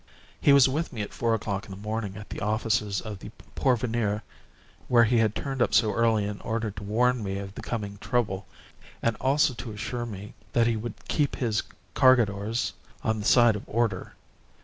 "He was with me at four o'clock in the morning at the offices of the Porvenir, where he had turned up so early in order to warn me of the coming trouble, and also to assure me that he would keep his Cargadores on the side of order.